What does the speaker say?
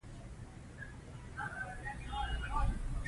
فرهنګ د ټولني د نظم او توازن ساتلو وسیله ده.